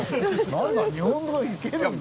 なんだ日本語いけるんだ。